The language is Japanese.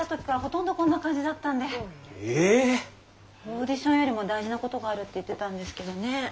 オーディションよりも大事なことがあるって言ってたんですけどね。